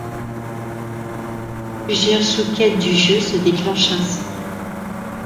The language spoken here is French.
Plusieurs sous-quêtes du jeu se déclenchent ainsi.